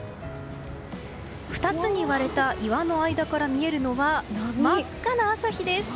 ２つに割れた岩の間から見えるのは、真っ赤な朝日です。